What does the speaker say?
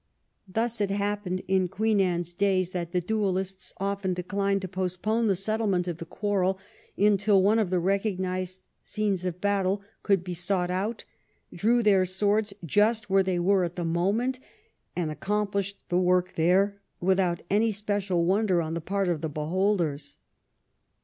Thus it happened in Queen Anne's days that the duellists often declined to post pone the settlement of the quarrel until one of the recognized scenes of battle could be sought out, drew their swords just where they were at the moment, and accomplished the work there without any special wonder on the part of the beholders.